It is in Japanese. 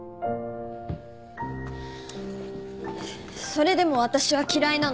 それでも私は嫌いなの。